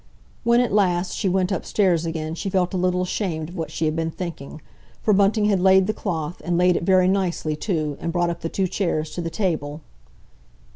When, at last, she went upstairs again she felt a little ashamed of what she had been thinking, for Bunting had laid the cloth, and laid it very nicely, too, and brought up the two chairs to the table.